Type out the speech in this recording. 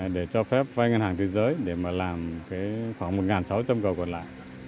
để cho phép vai ngân hàng thế giới để làm khoảng một sáu trăm linh cầu còn lại